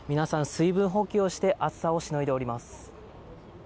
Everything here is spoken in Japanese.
水分補給をして暑さをしのいでおります。